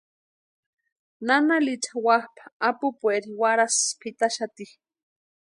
Nana Licha wapʼa apupueri warhasï pʼitaxati.